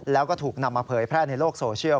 แล้วก็ถูกนำมาเผยแพร่ในโลกโซเชียล